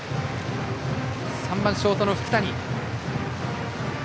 ３番ショートの福谷。